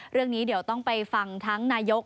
เรื่องนี้เดี๋ยวต้องไปฟังทั้งนายก